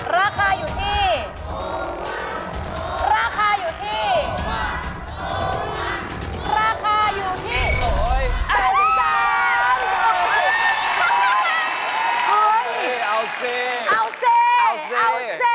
ถูกกว่าถูกกว่าถูกกว่าถูกกว่าถูกกว่าถูกกว่า